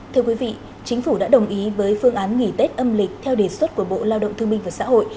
thưa quý vị chính phủ đã đồng ý với phương án nghỉ tết âm lịch theo đề xuất của bộ lao động thương minh và xã hội